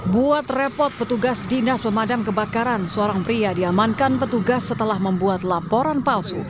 buat repot petugas dinas pemadam kebakaran seorang pria diamankan petugas setelah membuat laporan palsu